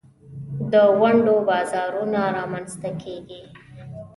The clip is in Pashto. د ونډو بازارونه رامینځ ته کیږي.